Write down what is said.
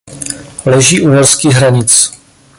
Leží u norských hranic.